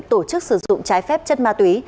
tổ chức sử dụng trái phép chất ma túy